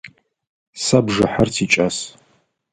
Сэ бжыхьэр сикӏас.